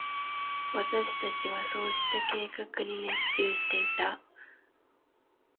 私達はそうした計画に熱中していた。